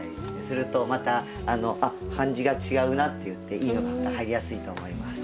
するとまたあっ感じが違うなっていっていいのがまた入りやすいと思います。